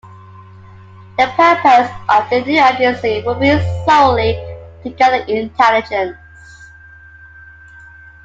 The purpose of the new agency would be solely to gather intelligence.